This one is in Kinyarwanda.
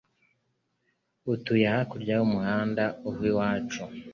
Atuye hakurya y'umuhanda uva iwacu.